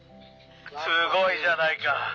「すごいじゃないか！」。